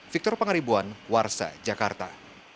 victor pangaribuan warsa jakarta